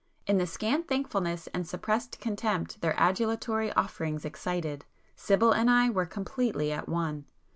In the scant thankfulness and suppressed contempt their adulatory offerings excited, Sibyl and I were completely at one.